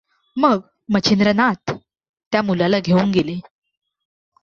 मग मच्छिंद्रनाथ त्या मुलाला घेऊन गेले.